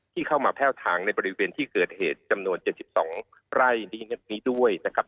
ที่เข้ามาแพ่วทางในบริเวณที่เกิดเหตุจำนวน๗๒ไร่นี้ด้วยนะครับ